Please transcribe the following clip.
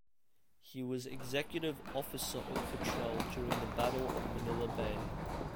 He was Executive Officer of "Petrel" during the Battle of Manila Bay.